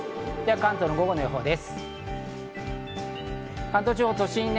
関東の午後の予報です。